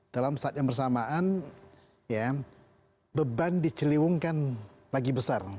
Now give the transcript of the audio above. dalam saat yang bersamaan beban di ciliwung kan lagi besar